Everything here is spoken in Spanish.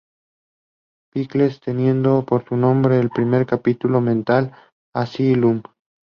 Pickles, teniendo por nombre el primer capítulo "Mental Asylum".